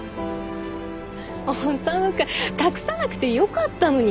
修君隠さなくてよかったのに。